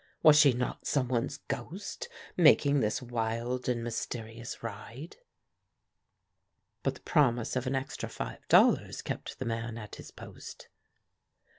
Was she not some one's ghost, making this wild and mysterious ride? But the promise of an extra five dollars kept the man at his post.